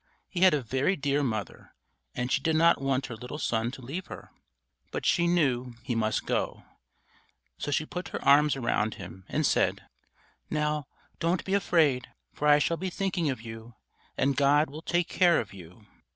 He had a very dear mother, and she did not want her little son to leave her; but she knew he must go, so she put her arms around him and said: "Now, don't be afraid, for I shall be thinking of you, and God will take care of you."